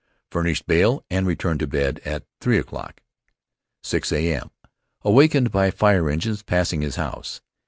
Furnished bail and returned to bed at three o'clock. 6.A.M.: Awakened by fire engines passing his house.